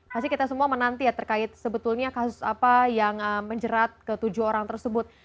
pasti kita semua menanti ya terkait sebetulnya kasus apa yang menjerat ke tujuh orang tersebut